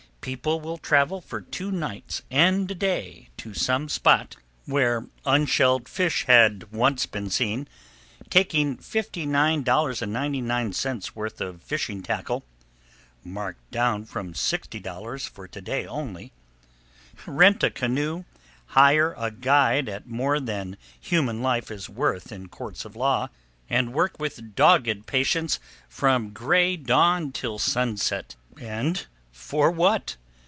People will travel for two nights and a day to some spot [Page 2] where all unshelled fish has once been seen, taking $59.99 worth of fishing tackle, "marked down from $60.00 for to day only," rent a canoe, hire a guide at more than human life is worth in courts of law, and work with dogged patience from gray dawn till sunset. And for what?